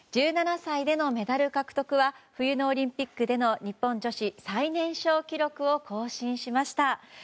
１７歳でのメダル獲得は冬のオリンピックでの日本女子最年少記録を更新しました。